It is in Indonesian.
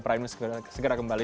prime news segera kembali